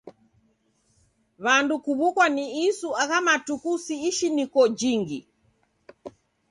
W'andu kuw'ukwa ni isu agha matuku si ishiniko jinghi.